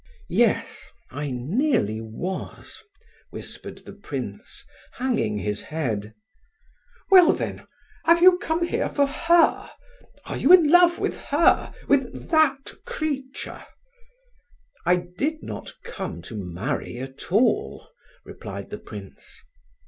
"Yes—I nearly was," whispered the prince, hanging his head. "Well then, have you come here for her? Are you in love with her? With that creature?" "I did not come to marry at all," replied the prince.